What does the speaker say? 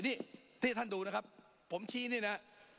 นี่ที่ท่านดูนะครับผมชี้นี่นะ